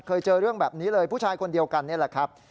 เจอเรื่องแบบนี้เลยผู้ชายคนเดียวกันนี่แหละครับ